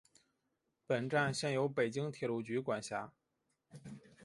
本站现由北京铁路局管辖。